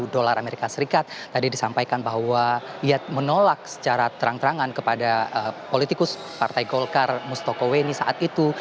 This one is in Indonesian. dolar amerika serikat tadi disampaikan bahwa ia menolak secara terang terangan kepada politikus partai golkar mustokoweni saat itu